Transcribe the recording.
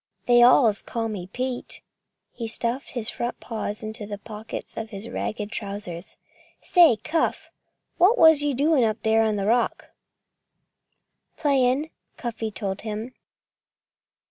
"They all calls me Pete." He stuffed his front paws into the pockets of his ragged trousers. "Say, Cuff what was yer doin' up on that rock?" "Playing!" Cuffy told him.